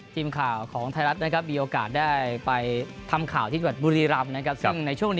ทีมข่าวของไทรัฐนะครับมีโอกาสได้ไปทำข่าว